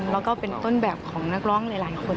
แล้วก็เป็นต้นแบบของนักร้องหลายคน